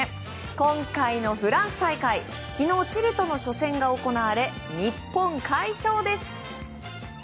今回のフランス大会昨日、チリとの初戦が行われ、日本快勝です！